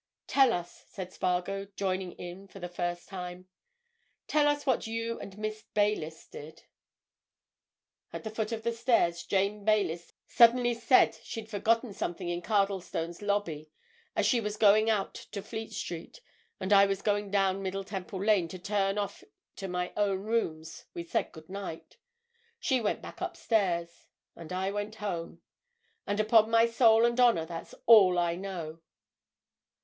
"Tell us," said Spargo, joining in for the first time, "tell us what you and Miss Baylis did?" "At the foot of the stairs Jane Baylis suddenly said she'd forgotten something in Cardlestone's lobby. As she was going out in to Fleet Street, and I was going down Middle Temple Lane to turn off to my own rooms we said good night. She went back upstairs. And I went home. And upon my soul and honour that's all I know!"